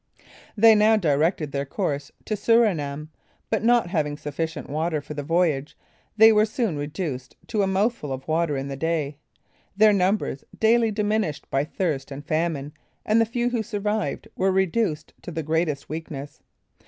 They now directed their course to Surinam but not having sufficient water for the voyage they were soon reduced to a mouthful of water in the day; their numbers daily diminished by thirst and famine and the few who survived were reduced to the greatest weakness.